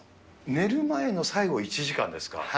寝る前の最後１時間ですか？